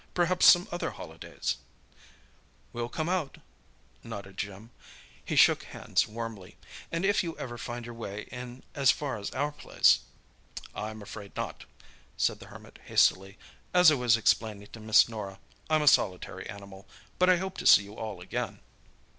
Perhaps some other holidays—?" "We'll come out," nodded Jim. He shook hands warmly. "And if ever you find your way in as far as our place—" "I'm afraid not," said the Hermit hastily. "As I was explaining to Miss Norah, I'm a solitary animal. But I hope to see you all again."